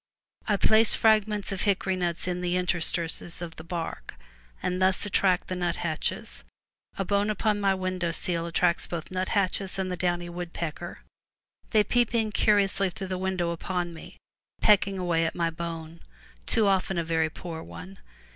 I place fragments of hickory nuts in the interstices of the bark, and thus attract the nut hatches; a bone upon my window sill attracts both nut hatches and the downy woodpecker. They peep in curiously through the window upon me, pecking away at my bone, too often a very poor one.